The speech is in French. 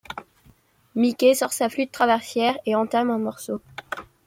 Mickey sort sa flûte traversière et entame un morceau.